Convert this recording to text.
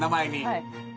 はい。